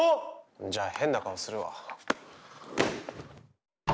じゃあ変な顔するわ。